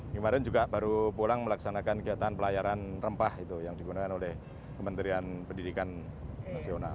kemarin juga baru pulang melaksanakan kegiatan pelayaran rempah itu yang digunakan oleh kementerian pendidikan nasional